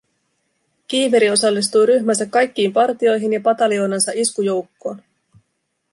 Kiiveri osallistui ryhmänsä kaikkiin partioihin ja pataljoonansa iskujoukkoon